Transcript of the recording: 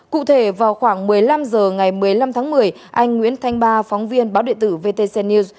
cụ thể vào khoảng một mươi năm h ngày một mươi năm tháng một mươi anh nguyễn thanh ba phóng viên báo địa tử vtc news